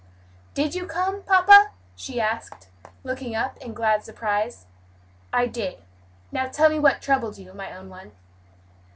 "Did you come, papa?" she asked, looking up in glad surprise. "I did. Now tell me what troubled you, my own one?"